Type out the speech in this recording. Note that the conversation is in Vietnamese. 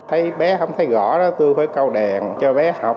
thấy bé không thấy gõ đó tôi phải câu đèn cho bé học